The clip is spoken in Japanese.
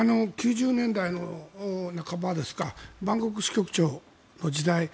９０年代の半ばですかバンコク支局長の時代